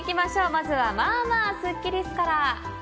まずはまぁまぁスッキりすから。